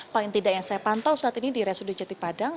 paling tidak yang saya pantau saat ini di rsud jatipadang